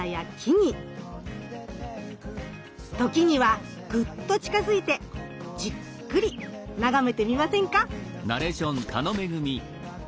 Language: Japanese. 時にはグッと近づいてじっくり眺めてみませんか。